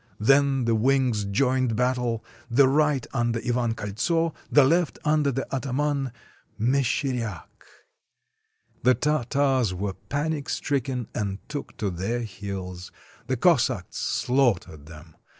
Then the wings joined battle, the right under Ivan Koltso, the left under the ataman, Meshcheryak. The Tartars were panic stricken, and took to their heels. The Cossacks slaughtered them.